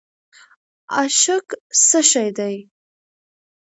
اشک څه شی دی؟